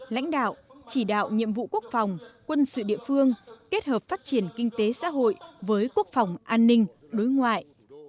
lãnh đạo chỉ đạo nhiệm vụ quốc phòng quân sự địa phương kết hợp phát triển kinh tế xã hội với quốc phòng an ninh đối ngoại